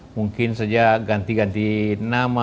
mungkin saja ganti ganti nama